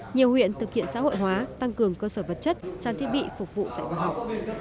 nhiều huyện thực hiện xã hội hóa tăng cường cơ sở vật chất trang thiết bị phục vụ dạy và học